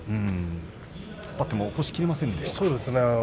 突っ張っても起こしきれませんでしたね。